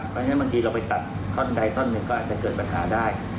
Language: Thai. เพราะฉะนั้นบางทีเราไปตัดท่อนใดท่อนหนึ่งก็อาจจะเกิดปัญหาได้